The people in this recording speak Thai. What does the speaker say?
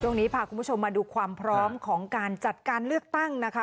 ช่วงนี้พาคุณผู้ชมมาดูความพร้อมของการจัดการเลือกตั้งนะคะ